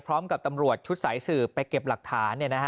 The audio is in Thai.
พร้อมกับตำรวจชุดสายสืบไปเก็บหลักฐาน